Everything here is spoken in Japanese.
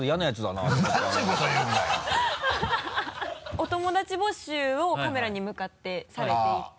お友達募集をカメラに向かってされていて。